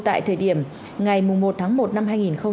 tại thời điểm ngày một tháng một năm hai nghìn một mươi hai